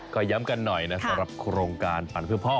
ก็ย้ำกันหน่อยนะสำหรับโครงการปั่นเพื่อพ่อ